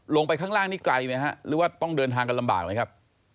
ลงไปข้างล่างนี่ไกลไหมฮะหรือว่าต้องเดินทางกันลำบากไหมครับ